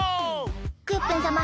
クヨッペンさま